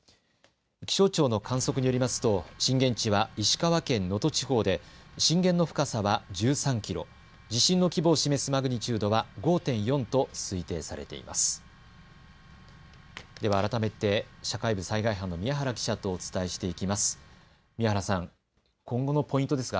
気象庁の観測によりますと震源地は石川県能登地方で震源の深さは１３キロ、地震の規模を示すマグニチュードは５．４と推定されています。